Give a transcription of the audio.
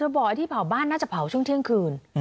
บอกไอ้ที่เผาบ้านน่าจะเผาช่วงเที่ยงคืน